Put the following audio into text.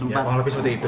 ya mungkin seperti itu